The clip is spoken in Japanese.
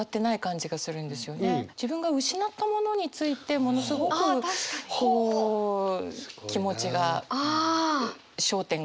自分が失ったものについてものすごくこう気持ちが焦点があって。